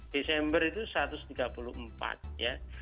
desember itu satu ratus tiga puluh empat ya